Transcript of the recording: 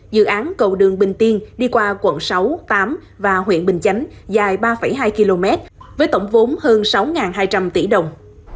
dự án cầu đường bình tiên đi qua quận sáu tám và huyện bình chánh dài ba hai km với tổng vốn hơn sáu hai trăm linh tỷ đồng